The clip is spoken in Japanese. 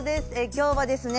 今日はですね